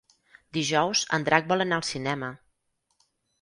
Dijous en Drac vol anar al cinema.